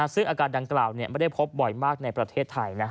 ซึ่งอาการดังกล่าวไม่ได้พบบ่อยมากในประเทศไทย